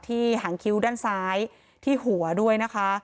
หางคิ้วด้านซ้ายที่หัวด้วยนะคะ